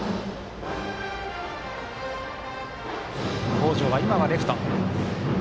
北條は今はレフト。